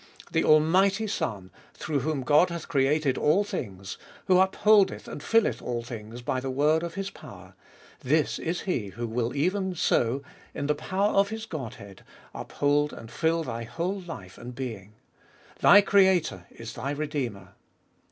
The Almighty Son, through whom God hath created all things, who upholdeth and filleth all things by the word of His power ; this is He who will even so, in the power of His Godhead, uphold and fill thy whole life and being. Thy Creator is thy Redeemer!